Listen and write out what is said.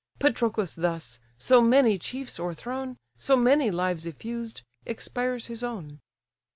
Patroclus thus, so many chiefs o'erthrown, So many lives effused, expires his own.